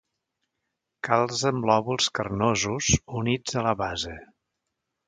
Calze amb lòbuls carnosos, units a la base.